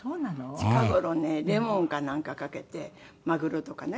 近頃ねレモンかなんかかけてマグロとかね